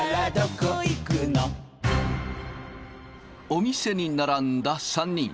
お店に並んだ３人。